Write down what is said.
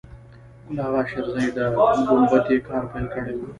ګل آغا شېرزی د ګومبتې کار پیل کړی و.